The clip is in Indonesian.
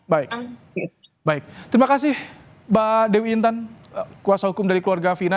baik baik terima kasih mbak dewi intan kuasa hukum dari keluarga fina